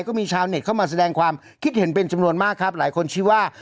ก็มีชาวเน็ตเข้ามาแสดงความคิดเห็นเป็นจำนวนมากครับหลายคนชื่อว่า